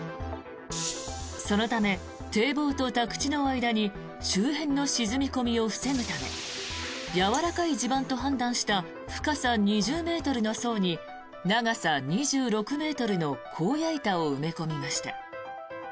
そのため、堤防と宅地の間に周辺の沈み込みを防ぐためやわらかい地盤と判断した深さ２０ｍの層に長さ２６ｍの鋼矢板を埋め込みました。